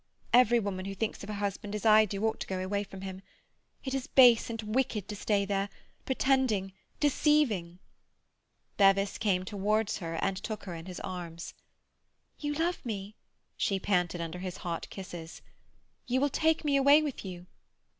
Every woman who thinks of her husband as I do ought to go away from him. It is base and wicked to stay there—pretending—deceiving—" Bevis came towards her and took her in his arms. "You love me?" she panted under his hot kisses. "You will take me away with you?"